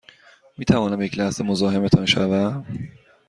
می توانم یک لحظه مزاحمتان شوم؟